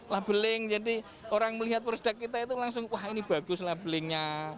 labeling jadi orang melihat produk kita itu langsung wah ini bagus labelingnya